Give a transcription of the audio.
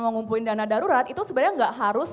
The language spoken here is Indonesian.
mengumpulin dana darurat itu sebenarnya nggak harus